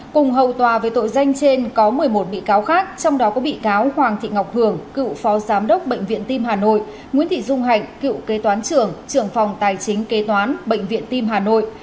cùng hầu tòa về tội danh trên có một mươi một bị cáo khác trong đó có bị cáo hoàng thị ngọc hường cựu phó giám đốc bệnh viện tim hà nội nguyễn thị dung hạnh cựu kế toán trưởng trưởng phòng tài chính kế toán bệnh viện tim hà nội